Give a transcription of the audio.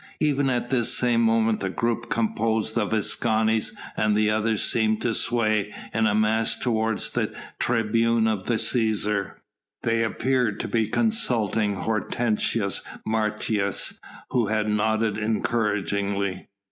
Even at this same moment the group composed of Escanes and the others seemed to sway in a mass toward the tribune of the Cæsar. They appeared to be consulting Hortensius Martius who had nodded encouragingly.